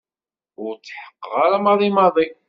Ur tḥeqqeɣ ara maḍi maḍi.